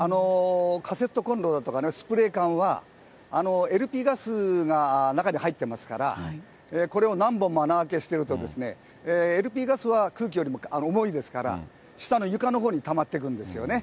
カセットコンロだとか、スプレー缶は、ＬＰガスが中に入ってますから、これを何本も穴開けしてると、ＬＰガスは空気よりも重いですから、下の床のほうにたまっていくんですよね。